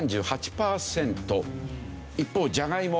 一方ジャガイモ。